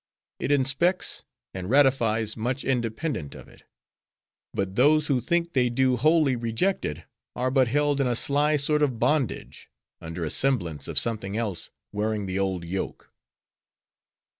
It inspects and ratifies much independent of it. But those who think they do wholly reject it, are but held in a sly sort of bondage; under a semblance of something else, wearing the old yoke.